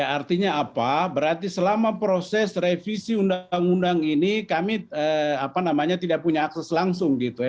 artinya apa berarti selama proses revisi undang undang ini kami tidak punya akses langsung gitu ya